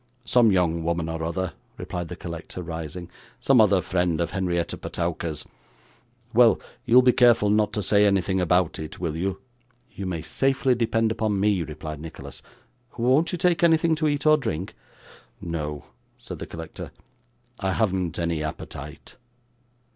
'Some young woman or other,' replied the collector, rising; 'some other friend of Henrietta Petowker's. Well, you'll be careful not to say anything about it, will you?' 'You may safely depend upon me,' replied Nicholas. 'Won't you take anything to eat or drink?' 'No,' said the collector; 'I haven't any appetite.